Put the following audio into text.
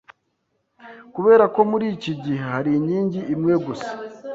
Kubera ko muri iki gihe hari inkingi imwe gusa